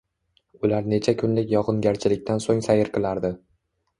Ular necha kunlik yog’ingarchilikdan so’ng sayr qilardi.